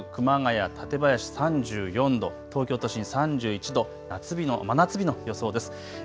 秩父、熊谷、館林３４度、東京都心３１度、夏日の真夏日の予想です。